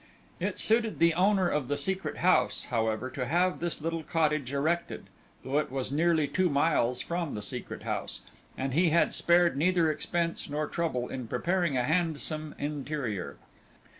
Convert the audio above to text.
It suited the owner of the Secret House, however, to have this little cottage erected, though it was nearly two miles from the Secret House, and he had spared neither expense nor trouble in preparing a handsome interior.